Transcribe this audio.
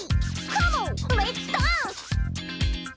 カモンレッツダンス！